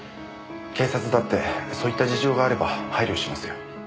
警察だってそういった事情があれば配慮しますよ。